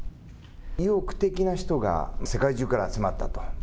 意欲的な人が世界中から集まったと。